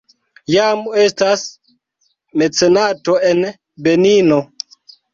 Jam estas mecenato en Benino.